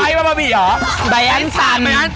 คนไหนล่ะแล้วอยู่กูเราไหม